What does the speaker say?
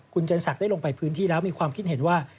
คุณเจนศักดิ์ได้ลงไปพื้นที่แล้วมีความคิดเห็นว่า